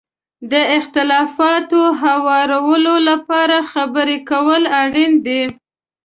د اختلافاتو هوارولو لپاره خبرې کول اړین دي.